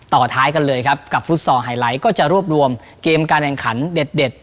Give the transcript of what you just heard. ต่อท้ายกันเลยครับกับฟุตซอลไฮไลท์ก็จะรวบรวมเกมการแข่งขันเด็ด